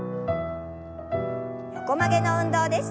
横曲げの運動です。